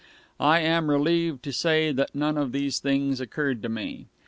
I am relieved to say that none of these things occurred to me.